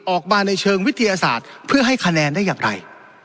ออกมาในเชิงวิทยาศาสตร์เพื่อให้คะแนนได้อย่างไร